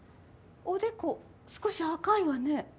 おでこ少し赤いわね？